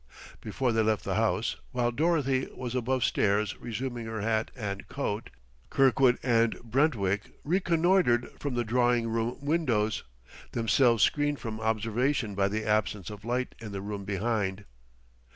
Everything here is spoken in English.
Before they left the house, while Dorothy was above stairs resuming her hat and coat, Kirkwood and Brentwick reconnoitered from the drawing room windows, themselves screened from observation by the absence of light in the room behind.